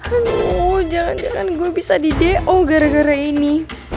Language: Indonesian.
aduh jangan jangan gue bisa di do gara gara ini